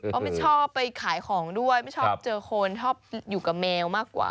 เขาไม่ชอบไปขายของด้วยไม่ชอบเจอคนชอบอยู่กับแมวมากกว่า